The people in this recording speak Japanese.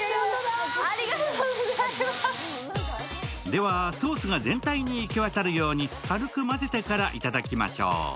ではソースが全体に行き渡るように軽く混ぜてからいただきましょう。